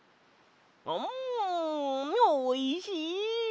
んおいしい！